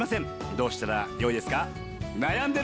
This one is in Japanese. どうしたらよいですか？」。